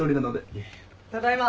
・ただいま。